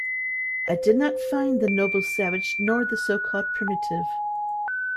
I did not find the 'noble savage' nor the so-called 'primitive'.